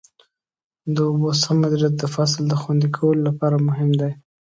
د اوبو سم مدیریت د فصل د خوندي کولو لپاره مهم دی.